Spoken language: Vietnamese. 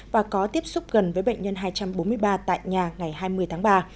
và có tiếp xúc gần với bệnh nhân hai trăm bốn mươi ba tại nhà ngày hai mươi tháng ba